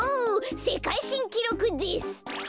せかいしんきろくです。